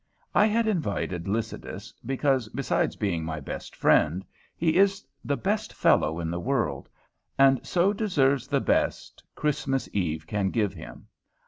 I had invited Lycidas, because, besides being my best friend, he is the best fellow in the world, and so deserves the best Christmas eve can give him.